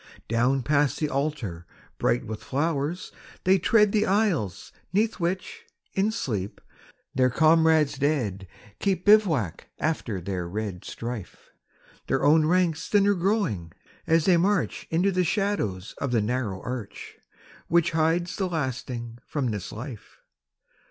Down past the altar, bright with flowers, they tread The aisles 'neath which in sleep their comrades dead Keep bivouac after their red strife, Their own ranks thinner growing as they march Into the shadows of the narrow arch Which hides the lasting from this life.